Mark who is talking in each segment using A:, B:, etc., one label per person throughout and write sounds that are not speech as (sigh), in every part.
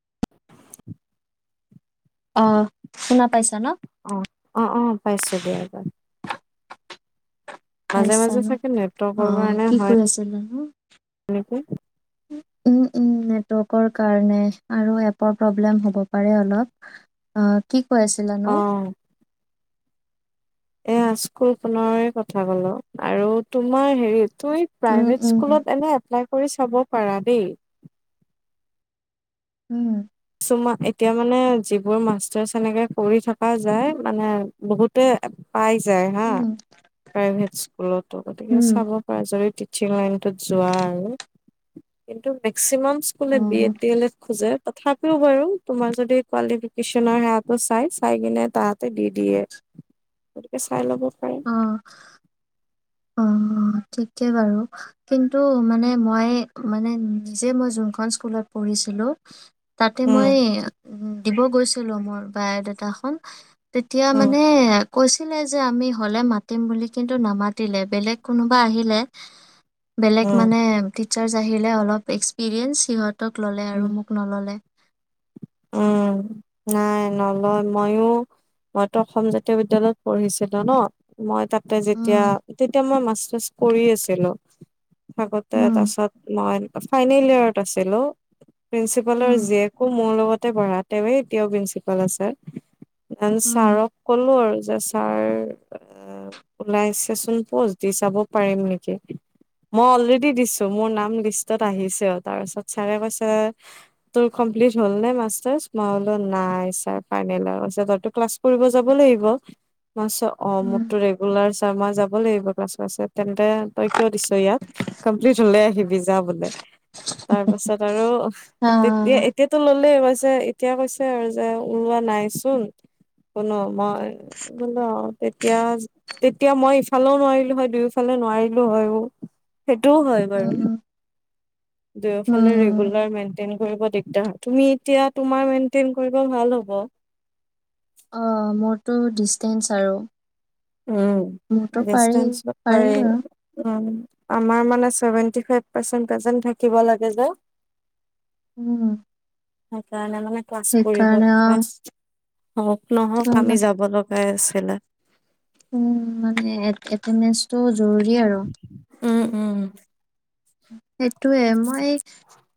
A: (inaudible)
B: অ শুনা পাইছা ন?
A: অ অ অ পাইছো দিয়া এবাৰ
B: খাইছানে
A: চাগে নেটৱৰ্কৰ
B: আহ
A: কাৰণে
B: কি
A: হয়
B: কৰি আছিলে নো
A: নেকি।
B: উম উম নেটৱৰ্কৰ কাৰণে আৰু এপৰ প্ৰব্লেম হ'ব পাৰে অলপ। আ কি- কৈ আছিলা নো?
A: এ স্কুলখনৰে কথা কলো আৰু তোমাৰ হেৰিত তই
B: উম,
A: প্ৰাইভেট
B: উম,
A: স্কুলত এনে এপ্লাই কৰি চাব পাৰা দেই।
B: উম
A: তোমাৰ এতিয়া মানে যিবোৰ মাষ্টাৰ্চ এনেকে কৰি থকা যায় মানে বহুতে- পাই যায় হা,
B: উম,
A: প্ৰাইভেট স্কুলতো গতিকে
B: উম,
A: চাব পাৰা যদি- চে লেণ্ডত যোৱা আৰু কিন্তু মেক্সিমাম- স্কুললে বি
B: অ',
A: এড ড এল এড খোজে তথাপ কিটো কৰো বাৰু তোমাৰ যদি কুৱালিফিকেনৰ সেৱাটো চাই চাই কিনে তাহতে দি দিয়ে গতিকে চাই লব পাৰে
B: আহ অ ঠিকেই বাৰু কিন্তু মানে মই মানে নিজে মই যোনখন স্কুলত পঢ়িছিলোঁ। তাতে মই
A: উম
B: দিব গৈছিলো মোৰ বায়ে দেতাখন তেতিয়া
A: উম
B: মানে কৈছিলে যে আমি হ'লে মাতিম বুলি কিন্তু নামা দিলে বেলেগ কোনোবা আহিলে বেলেগ
A: উম
B: মানে টিচাৰ্ছ আহিলে অলপ এক্সপিৰিয়েঞ্চ সিহঁত তক ল'লে আৰু
A: উম
B: মোক নল'লে
A: উম নাই নলয় ময়ো ৱাটাফুল জাতীয় বিদ্যয়ালয়ত পঢ়িছিলা ন মই তাত যেতিয়া
B: উম,
A: তেতিয়া মই মাছ বাচ কৰি আছিলো থাকোতে
B: উম,
A: তাছত মই ফাইনেল ইয়াৰত আছিল অ প্ৰিন্সিপালৰ
B: উম,
A: জীয়েকো মোৰ লগত তে পঢ়া তেওঁৱে তেওঁ প্ৰিন্ঞ্চিপাল আছা
B: উম,
A: ছাৰক ক'লো আৰু যে ছাৰ ওলাইছেচুন পোষ্ট দি চাব পাৰিম নেকি মই অলৰেডদি দিছো মোৰ নাম লিষ্টত আহিছে তাৰ পিছত চাৰে কৈছে তোৰ কমপ্লিট হল নে মাছ যাচ মই বলো নাই ছাৰ ফাইনেল তইতো ক্লাছ কৰিব যাব লাগিব অ চ
B: উম,
A: মোৰতটো ৰেগুলাৰছ ত মই যাব লাগিব কাছ কছে তেন্তে তই কিয় দিছ ইয়াত কমপ্লিট হলে আহিবি যা বোলে তাৰ পাছত আৰু তেতিয়া
B: আহ,
A: এতিয়াতো ল'লে এ এতিয়া কৈছে আৰু যে ওলোৱা নাইচোন কোনো মই বোলো তেতিয়া তেতিয়া মই ইফালেও নোৱাৰিলো হয় দুয়োফালে নোৱাৰিলো হয়ও সেইটোও হয় বাৰু
B: উম,
A: দুয়োফালে ৰেগুলাৰ
B: উম,
A: মেইনটেইন কৰিব দিগদাৰ তুমি এতিয়া। তোমাৰ মেইনটেইন কৰিব ভাল হ'ব।
B: অঁ মোৰতো ডিচষ্টেঞ্চ চাৰ
A: উম ডিচটেন্স পাৰি
B: পাৰিলো আৰু
A: উম আমাৰ মানে চেভেনটি ফাইভ পৰ্চেন প্ৰেজেন্ থাকিব লাগে যে
B: উম
A: সেইকাৰনে মানে পাছ কৰিব
B: সেইকাৰণে অ'
A: কাষ্ট হওক
B: ত'
A: নহওক আমি
B: মা-
A: যাব লগাই আছে খেলা
B: উম মানে এত্তেন্দেন্সটো জৰুৰী আৰু
A: উম উম
B: সেইটোয়ে মই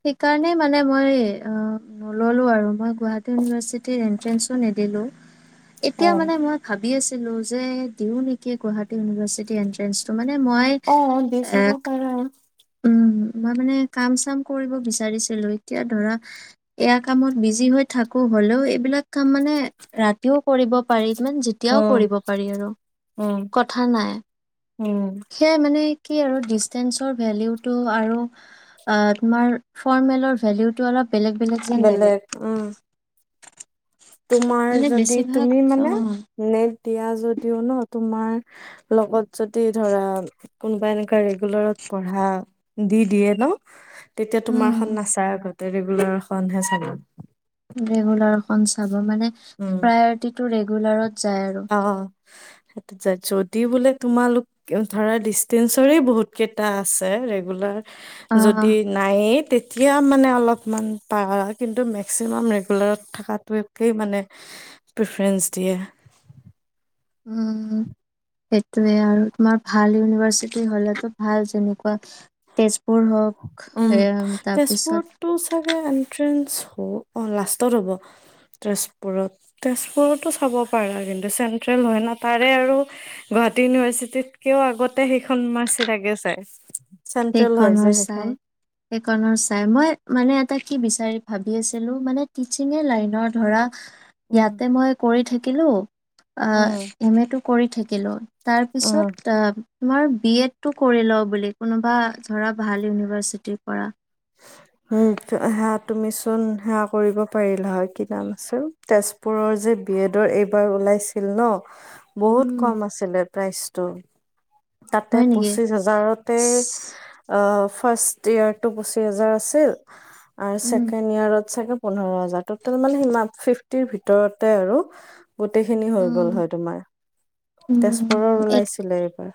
B: সেইকাৰণেই মানে মই অ নললো আৰু মই গুৱাহাটী ইউনিভাৰ্চিটিৰ এণ্ট্ৰেঞ্চো নিদিলোঁ
A: অ
B: এতিয়া মানে মই ভাবি দি আছিলো যে দিও নেকি গুৱাহাটী ইউনিভাৰ্চিটি এন্ট্ৰেন্ টো
A: অ দি চাব পাৰ।
B: উম মই মানে কাম চাম কৰিব বিচাৰিছিলো এতিয়া ধৰা এয়া কামত বিজি হৈ থাকো হলেও এইবিলাক কাম মানে ৰাতিও কৰিব পাৰি কিছুমান যেতিয়াও
A: উম
B: কৰিব পাৰি আৰু
A: উম
B: কথা নাই
A: উম
B: সেয়াই মানে। কি আৰু ডিচষ্টেঞ্চৰ। ভেলিউটো আৰু আহ‌ তোমাৰ ফৰ্মেল ভেলিউটো অলপ বেলেগ বেলেগ যেন লাগে
A: বেলেগ উম তোমাৰ
B: মানে
A: যদি
B: বেছিভাগ
A: তুমি
B: অ
A: মানে নেট দিয়া যদিও ন তোমাৰ লগত যদি ধৰা কোনোবা এনেকোৱা ৰেগুলাৰত পঢ়া দি দিয়ে ন তেতিয়া
B: উম
A: তোমাৰখন নাচাৰ আগত। ৰেগুলাৰ এখনহে চাব
B: ৰেগুলাৰ চাব মানে
A: উম
B: প্ৰায়ৰিটি ৰেগুলাৰত যায় আৰু
A: অ সেইটো যদি বোলে তোমালোক ধৰা ডিচতেঞ্চৰে বহুত কেইটা আছে ৰেগুলাৰ যদি
B: আহ
A: নাইয়েই তেতিয়া মানে অলপ অকমান পাৰ কিন্তু মেক্সিমাম ৰেগুলাৰত থকাটোৱে একেই মানে প্ৰিফেৰেন্ঞ্চ তাকে
B: উম সেইটোৱে আৰু তোমাৰ ভাল ইউনিভাৰ্চিটি হলেতো ভাল যেনেকুৱা তেজপুৰ হওক
A: উম
B: এ তাৰপিছত
A: তেজপুৰটো চাগে এনট্ৰেন্ অ লাষ্টত হ'ব তেজপুৰত তেজপুৰতো চাব পাৰা কিন্তু চেন্ট্ৰেল হয় না তাৰে আৰু গুৱাহাটী ইউনিভাৰ্চিটিতকেও আগতে সেইখন মাৰ্চি তাকে চাই চেন্ট্ৰেল হয় যে স
B: সেইকাৰণৰ চাই মই মানে এ কি বিচাৰি ভাবি আছিলো মানে টিচিঙৰ লাইনৰ ধৰা
A: উম।
B: ইয়াতে মই কৰি থাকি kilo O
A: um,
B: M A তটো কৰি থাকিলোঁ তাৰ পিছত
A: উম।
B: অহ তোমাৰ বি এড তটো কৰি ল বুলি কোনোবা ধৰা ভাল ইউনিভাৰ্চিটিৰ পৰা
A: উম সেয়া তুমি চোন সেৱা কৰিব পাৰিলা হয় কি নাম আছে তেজপুৰৰ যে বিয়ডৰ এইবাৰ ওলাইছিল ন বহুত
B: উম
A: কম আছিলে প্ৰাইচ ত তাতে
B: হয় নেকি
A: পঁচিশ হাজাৰতে অ ফাৰ্ষ্ট ইয়াৰ টো ব জাৰ আছিল আৰু
B: উম
A: ছেকেণ্ড ইয়াৰত চাগে পোন্ধৰ হাজৰ টটেল মানে ফিফটিৰ ভিতৰতে আৰু গোটেইখিনি হৈ
B: উম
A: গ'ল হয়, তোমাৰ
B: উম
A: তেজপুৰৰ
B: এইটো
A: ওলাইছিলে এইবাৰ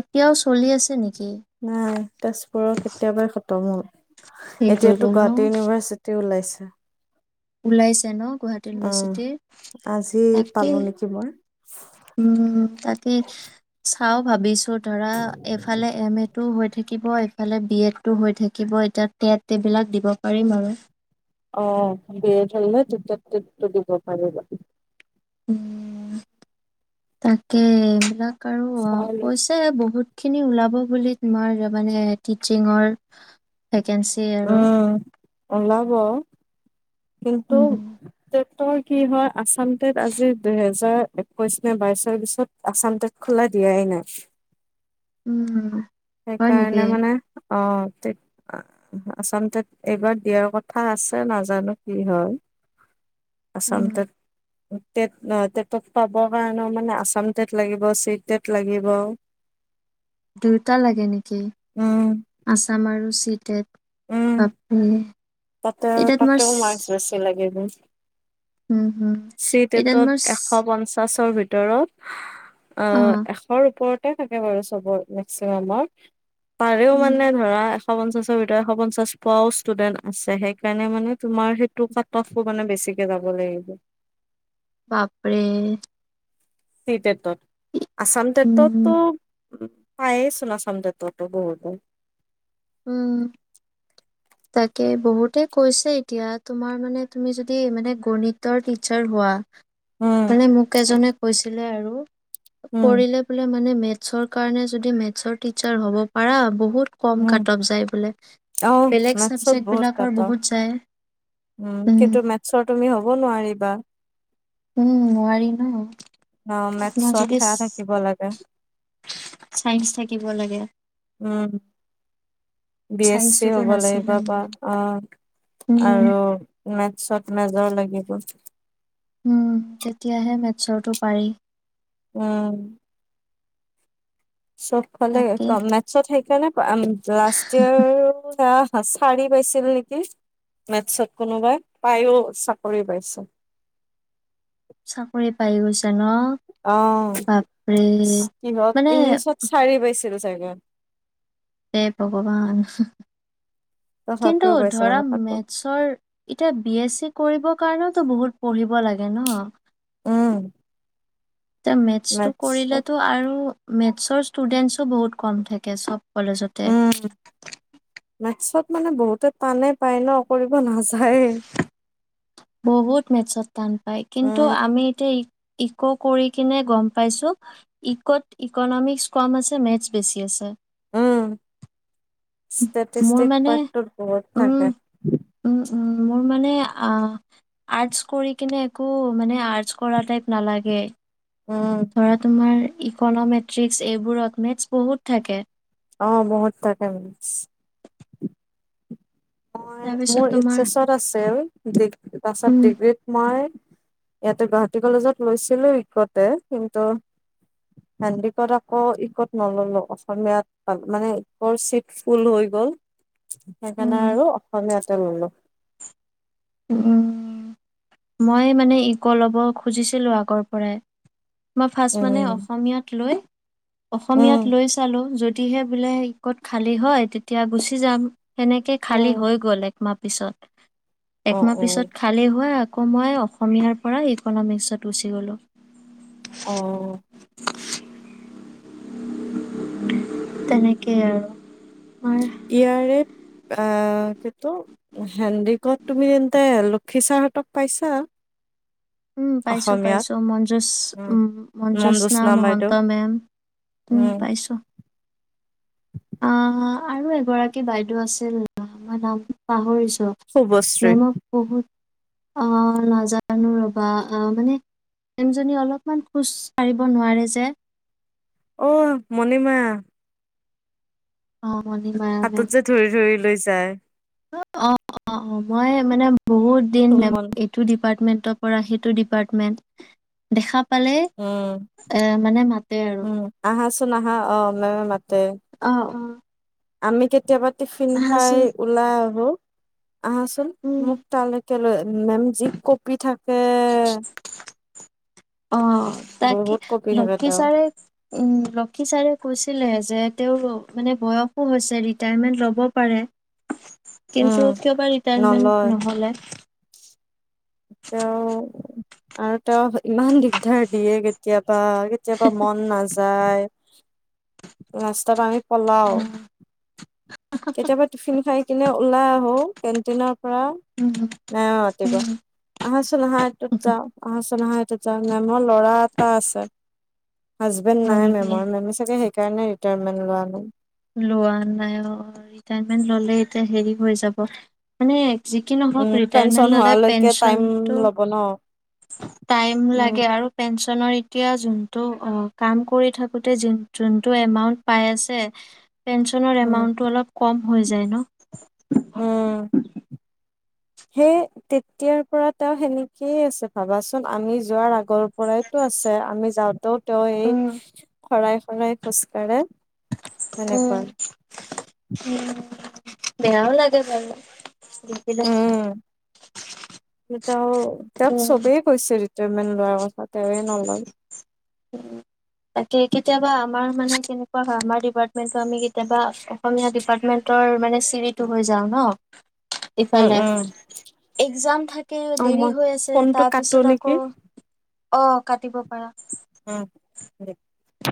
B: এতিয়াও চলি আছে নেকি?
A: নাই তেজপুৰৰ কেতিয়াবাই তম
B: শেষ হৈ গ'ল
A: এতিয়াতো
B: ন
A: গুৱাহাটী ইউনিভাৰ্চিটি ওলাইছে । আঠা
B: ওলাইছে ন গুৱাহাটী ইউনিভাৰ্চিটিৰ
A: আজি
B: তাকে
A: পালো নেকি মই
B: উম তাকে চাও ভাবিছোঁ । ধৰা এফালে এম এটো থাকিব ইফালে বি এডটো হৈ থাকিব এতিয়া টেট এইবিলাক দিব পাৰিম আৰু
A: অ বি এড হলে তেতিয়া টেট টো দিব পাৰিবা
B: তাকে এইবিলাক আৰু অ কৈছে বহুত খিনি ওলাব । তু বুলি মানে টিচিং
A: উম ওলাব, কিন্তু
B: উম
A: । কি হয় আসাম টেট আজি দুহেজাৰ একৈশ নে বাইশৰ পিছত আসাম টেট খোলা দিয়াই নাই ।
B: উম হয় নেকি?
A: অঁ তে আচলতে এইবাৰ দিয়াৰ কথা আছে নাজানো কি হয় আসাম
B: উম
A: টেত টট টেটক পাবৰ কাৰণেও মানে আসামটেত লাগিব চি তেত লাগিব ।
B: দুয়টা লাগে নেকি? আচা আমাৰু চিট
A: উম তাতেও
B: এটা তোমাৰ চ
A: তাতেও মাস্ক বেছি লাগে । (unintelligible)
B: হুম, হুম।
A: চি টেটত
B: এটা তোমাৰ চ
A: এটত এশ পঞ্চাশৰ ভিত ভিতৰত অঁ
B: অ',
A: এশৰ ওপৰত থাকে বাৰু চবৰ মেক্সিমামৰ পাৰেও
B: উম,
A: মানে ধৰা পৱন চচোৰবি তেৰশ পঞ্চাছ পোৱাও ষ্টুডেন্ট আছে সেইকাৰণে মানে তোমাৰ সেইটো কাট অফো মানে বেছি কে যাব লাগিব
B: বাপৰে
A: চিটে তত আসাম তেততো
B: উম,
A: উম পায়েছুন আসামটেত তো বহুতো
B: উম তাকে বহুতে কৈছে এতিয়া তোমাৰ মানে তুমি যদি মানে গণিতৰ টিচাৰ হোৱা
A: উম
B: মানে মোক এজনে কৈছে ছিলে আৰু
A: উম
B: পঢ়িলে বোলে মানে মেত চৰ কাৰণে যদি মেথছৰ টিচাৰ হ'ব পাৰা বহুত কম কাট অফ যায় বোলে।
A: অঁহ
B: বেলেগ
A: মেথছত
B: চাবজেক্ট
A: বহুত
B: বিলাকৰ
A: কাট
B: বহুত যায়।
A: উম কিন্তু মেথছৰ তুমি হ'ব নোৱাৰিবা
B: উম নোৱাৰি ন
A: অঁ
B: আপোনাৰ
A: মেথছত
B: যদি চ
A: সেয়া থাকিব লাগে
B: চাইন্স থাকিব লাগে
A: উম বি এছ চি
B: চাইন্সটোতো
A: হ'ব লাগিব
B: নাছিলে
A: প
B: মোৰ।
A: অঁ
B: উম।
A: আৰু মেথছত মেজৰ লাগি বিয়েটো
B: উম ', তেতিয়াহে মেছৰটো পাৰি।
A: উম', চবফালে
B: তাকে
A: কম মেথছত সেই কেনে অ', লাষ্ট ইয়াৰ আহ ', চাৰি পাইছিল নেকি মেথছত কোনোবাই পায়ো চাকৰি পাইছিল।
B: চাকৰি পাই গৈছে ন।
A: অ',
B: বাপৰে! মানে
A: কিহঁত ইংলিছত চাৰি পাইছে। (inaudible)
B: হে ভগৱান কিন্তু
A: তথাপিও পাইছে
B: ধৰা
A: মানে তাকো
B: মেথছৰ এতিয়া বি এছ চি কৰিব কাৰণেওতো বহুত পঢ়িব লাগে ন?
A: উম',
B: তে মেথছটো
A: মেথছত
B: কৰিলেতো আৰু মেথছৰ ষ্টুডেণ্টছো বহুত কম থাকে চব কলেজতে
A: উম মেথছত মানে বহুতে টান পায় ন কৰিব নাযায়ে
B: বহুত মেটছত টান পাই কিন্তু
A: উম
B: আমি এতিয়া ইক' কৰি কিনে গম পাইছো ইকত ইকনমিক্স কম আছে মেথছ বেছি আছে।
A: উম',
B: মোৰ
A: ষ্টেটিষ্টিক
B: মানে
A: পাৰ্টোৰ বহুত
B: উম
A: থাকে।
B: উম, উম মোৰ মানে আৰ্টচ কৰি কিনে একো মানে আৰ্টচ কৰা টাইপ নালাগে।
A: উম
B: ধৰা তোমাৰ ইক ইকন'মেট্ৰিক্স এইবোৰত মেথছ বহুত থাকে।
A: অ', বহুত ঠাকে মেথছ (inaudible) ম
B: তাৰপিছত
A: মোৰ
B: তোমাৰ
A: এইচছত আছিল
B: উম,
A: তাচত ডিগ্ৰীত মই ইয়াতে গুৱাহাটী কলেজত লৈছিলো ইকতে কিন্তু সান্দিকত আকৌ ইকত নললো অসমীয়াতাল মানে ইকৰ চিট ফুল হৈ গল।
B: উম,
A: আৰু অসমীয়াতে ললো।
B: উ'ম মই মানে ইক ল'ব খুজিছিলোঁ আগৰ পৰাই। মই ফাৰ্ষ্ট মানে
A: উম
B: অসমীয়াত লৈ
A: উম
B: অসমীয়াত লৈ চালো যদ টিহে বোলে ই কত খালী হয় তেতিয়া গুচি যাম। সেনেকে খালী
A: উম,
B: হৈ গ'ল একমাত্ৰ পিছত
A: অ
B: একমাহ
A: অ
B: পিছত খালে হো আক আকৌ মই অসমীয়াৰ পৰা ইকনমিক্সত গুচি গ'লোঁ।
A: অ',
B: তেনেকেই আৰু তোমাৰ
A: ইয়াৰে আহ', কিন্তু হেণ্ডিকত তুমি তেন্তে লোক খিচাৰতক পাইছা
B: উ', পাইছো
A: অসমীয়াত
B: -পাইছো মঞ্জুস
A: উম,
B: মঞ্জোস্নাা
A: মনজ্যোৎস্না
B: মহন্ত
A: বাইদেউ
B: মেম উম পাইছো। আহা', আৰু এগৰাকী বাইদেউ আছিল মই নাম পাহৰিছো।
A: শুভশ্ৰী
B: মেমত পহুত আহ ', নাজানো ৰবা আহ ', মানে মেমজনী অলপমান খোজ কঢ়িব নোৱাৰে যে।
A: অ', মণিমা
B: অ', মণিমায়া
A: হাতত
B: মেম।
A: যে ধৰি ধৰি লৈছে যায়
B: অ', - অ', - অ', মই মানে বহুত দিনে
A: চুমন
B: এইটো ডিপাৰ্টমেণ্ট (unintelligible) পৰা সেইটো ডিপাৰ্টমেন্ দেখা পালে
A: উম
B: এ', মানে মাতে আৰু
A: নহা অ',
B: অ', - অ',
A: আমি কেতিয়াবা টিফিন খাই
B: আহাচোন।
A: ওলাই আহো। আহচোন
B: উম।
A: মোক তাল কেলৈ? মেম যি কপি থাকে।
B: অ', তাকে
A: বহুত কঁপি থাকে
B: লক্ষী
A: তেওঁ।
B: ছাৰে উ', লক্ষী ছাৰে কৈছিলে যে তেওঁৰ মানে বয়সো হৈছে ৰিটায়াৰমেন্ট ল'ব পাৰে ।
A: উম
B: কিন্তু কিয়বা
A: নলয়
B: ৰিটায়াৰমেন্ট নহলে?
A: তেওঁ আৰু তেওঁ ইমান দিগদাৰ দিয়ে কেতিয়াবা। কেতিয়াবা মন নাযায়। ৰাস্তা আমি পলাও,
B: উম
A: কেতিয়াবা টিফিন খাই কিনে ওলাই আহো কেণ্টিনত ৰা নতিব
B: উম
A: আহাচোন আহা এটোত যাওঁ আহাচোনোন আহা এইটোত যাওঁ, মেমৰ ল'ৰা এটা আছে । হাজবেণ্ড
B: হয়
A: নাই
B: নেকি
A: মেমৰ মেমি চাগে সেইকাৰণে তাইৰমেন লোৱা নাই ।
B: লোৱা নাই অ ৰিটায়াৰমেন্ট ললে এতিয়া হেৰি হৈ যাব, মানে য কি নহওক
A: উম
B: ৰিটায়াৰমেন্ট
A: পেঞ্চন
B: ললে
A: হোৱালৈকে টাইম
B: পেঞ্চনতটো
A: ল'ব ন
B: টাইম
A: উম
B: লাগে আৰু পেঞ্চন নৰ এতিয়া যোনটো অ কাম কৰি থাকোতে য যোনতটো এমাউন্ট পাই আছে, (inaudible) পেঞ্চনৰ
A: উম
B: এমাউণ্টটো অলপ কম । হৈ যায় ন ।
A: উম সেই তেতিয়াৰ পৰা তেওঁ সেনেকেই আছে ভাবাচোন, আমি যোৱাৰ আগৰ পৰাইতো আছে আমি যাওঁতেও তেওঁ এই
B: উম
A: শৰাই শৰাই খোজ কঢ়ে
B: উম
A: সেনেকুৱাই
B: বেয়াও লাগে বাৰু দি দিলে
A: উম্ তেওঁ তেওঁক
B: উম
A: চবেই কৈছে ঋতু পেয়মেণ্ট লোৱাৰ কথাত তেওঁয়ে নলয়
B: তাকে কেতিয়াবা আমাৰ মানে কেনেকুৱা হয় আমাৰ ডিপাৰ্টমেন্টটো আমি কেতিয়াবা অসমীয়া ডিপাৰ্টমেন্টৰ মানে চিৰিটো হৈ যাওঁ ন
A: উম
B: ইফালে
A: উম
B: একজাম থাকে
A: অ
B: দেৰি
A: মই
B: হৈ আছে
A: ফোনটো কাটো
B: তাৰপিছত
A: নেকি
B: আকৌ অ কাটিব পাৰা
A: উম